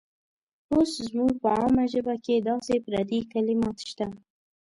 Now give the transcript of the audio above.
اوس زموږ په عامه ژبه کې داسې پردي کلمات شته.